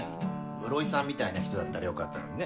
室井さんみたいな人だったらよかったのにね。